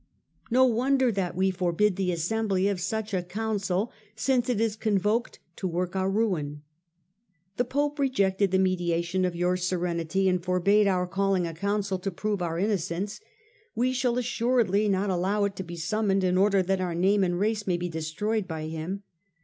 No wonder that we forbid the assembly of such a Council, since it is convoked to work our ruin ! The Pope rejected the mediation of your Serenity and forbade our calling a Council to prove our innocence ; we shall assuredly not allow it to be summoned in order that our name and race may be destroyed by him.